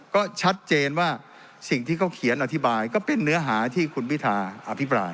ก็ชัดเจนว่าสิ่งที่เขาเขียนอธิบายก็เป็นเนื้อหาที่คุณพิธาอภิปราย